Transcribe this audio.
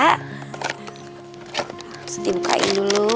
positi bukain dulu